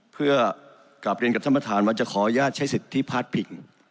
เพื่อกลับเรียนกับท่านประธานว่าจะขออนุญาตใช้สิทธิพลาดพิง